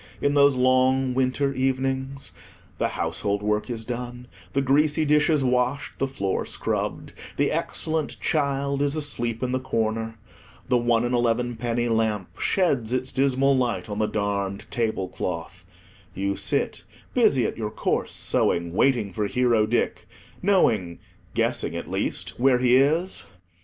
In those long winter evenings? the household work is done—the greasy dishes washed, the floor scrubbed; the excellent child is asleep in the corner; the one and elevenpenny lamp sheds its dismal light on the darned table cloth; you sit, busy at your coarse sewing, waiting for Hero Dick, knowing—guessing, at least, where he is—!